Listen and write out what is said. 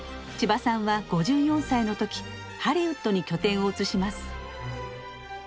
千葉さんは５４歳の時ハリウッドに拠点を移します。